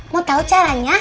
mau tahu caranya